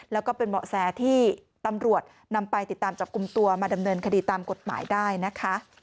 แล้วก็เป็นเหมาะแสที่ตำรวจนำไปติดตามจับกลุ่มตัวมาดำเนินคดีตามกฎหมายได้นะคะ